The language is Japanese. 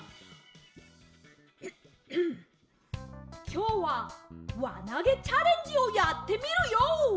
きょうはわなげチャレンジをやってみるＹＯ！